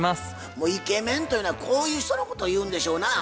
もうイケメンというのはこういう人のことを言うんでしょうな。